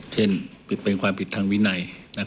เช่นเป็นความผิดทางวินัย